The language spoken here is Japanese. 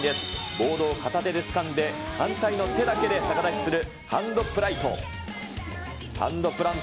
ボードを片手でつかんで、反対の手だけで逆立ちするハンドプラント。